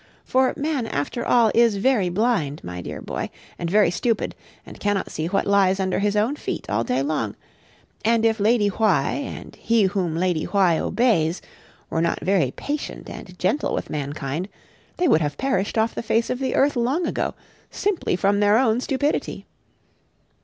For man after all is very blind, my dear boy, and very stupid, and cannot see what lies under his own feet all day long; and if Lady Why, and He whom Lady Why obeys, were not very patient and gentle with mankind, they would have perished off the face of the earth long ago, simply from their own stupidity.